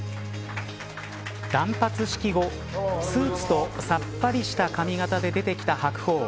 断髪式後スーツとさっぱりした髪形で出てきた白鵬。